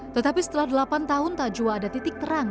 tetapi setelah delapan tahun tak jua ada titik terang